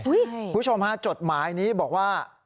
คุณผู้ชมฮะจดหมายนี้บอกว่า